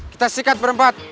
kita sikat berempat